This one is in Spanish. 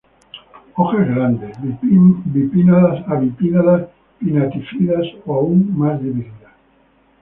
Hojas grandes, bipinnadas a bipinadas-pinatifidas o aún más divididas.